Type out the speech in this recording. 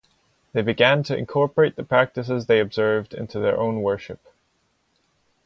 They began to incorporate the practices they observed into their own worship.